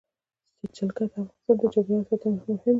جلګه د افغانستان د چاپیریال ساتنې لپاره مهم دي.